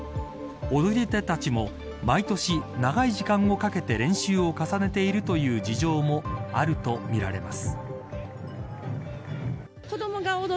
踊り手たちも、毎年長い時間をかけて練習を重ねているという事情もあるとみられます。